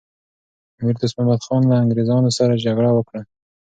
امیر دوست محمد خان له انګریزانو سره جګړه وکړه.